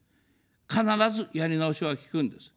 必ずやり直しはきくんです。